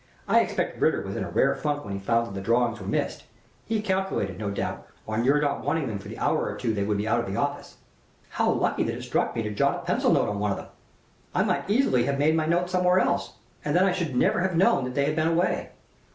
I expect Ritter was in a rare funk when he found that the drawings were missed. He calculated, no doubt, on your not wanting them for the hour or two they would be out of the office." "How lucky that it struck me to jot a pencil note on one of them! I might easily have made my note somewhere else, and then I should never have known that they had been away."